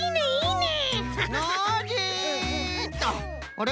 あれ？